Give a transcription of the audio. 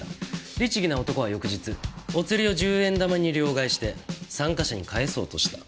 律義な男は翌日お釣りを１０円玉に両替して参加者に返そうとした。